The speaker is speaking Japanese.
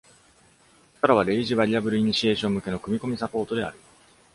Scala は、レイジーバリアブルイニシエーション向けの組み込みサポートである。